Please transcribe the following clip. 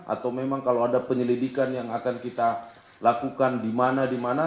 atau memang kalau ada penyelidikan yang akan kita lakukan di mana di mana